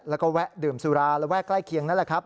แล้วก็แวะดื่มสุราระแวกใกล้เคียงนั่นแหละครับ